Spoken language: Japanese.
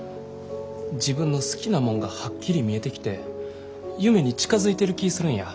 自分の好きなもんがはっきり見えてきて夢に近づいてる気ぃするんや。